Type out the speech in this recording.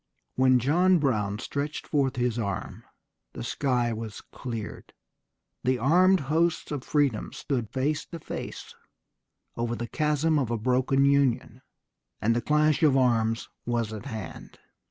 When John Brown stretched forth his arm the sky was cleared, the armed hosts of freedom stood face to face over the chasm of a broken Union, and the clash of arms was at hand."